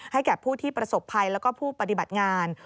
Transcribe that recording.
แก่ผู้ที่ประสบภัยแล้วก็ผู้ปฏิบัติงาน